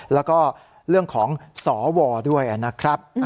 แล้วก็เรื่องของสวด้วยนะครับ